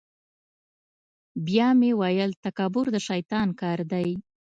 بیا مې ویل تکبر د شیطان کار دی.